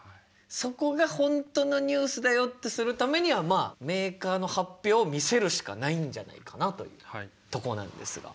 そこが本当のニュースだよってするためにはまあメーカーの発表を見せるしかないんじゃないかなというとこなんですが。